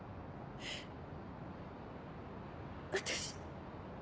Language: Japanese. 私。